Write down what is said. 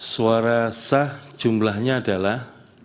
suara sah jumlahnya adalah